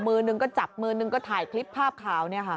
มือนึงก็จับมือหนึ่งก็ถ่ายคลิปภาพข่าว